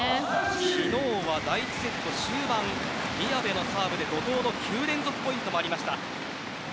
昨日は第１セット終盤宮部のサーブで怒とうの９連続ポイントがありました。